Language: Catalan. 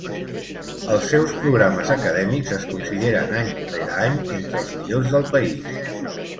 Els seus programes acadèmics es consideren any rere any entre els millors del país.